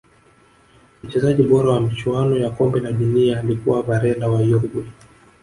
mchezaji bora wa michuano ya kombe la dunia alikuwa varela wa Uruguay